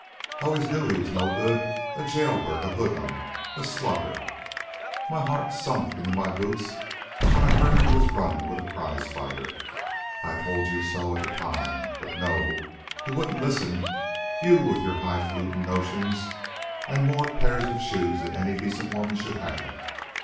"I always knew he was no good, a jailbird, a hoodlum, a slugger. My heart sunk into my boots when I heard you was runnin' with a prizefighter. I told you so at the time. But no; you wouldn't listen, you with your highfalutin' notions an' more pairs of shoes than any decent woman should have.